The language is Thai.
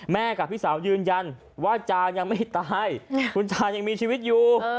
กับพี่สาวยืนยันว่าจานยังไม่ตายคุณจายังมีชีวิตอยู่